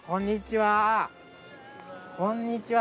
こんにちは。